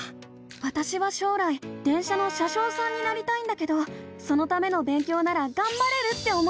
わたしは将来電車の車しょうさんになりたいんだけどそのための勉強ならがんばれるって思ったの！